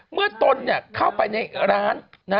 เมื่อตนเนี่ยเข้าไปในร้าน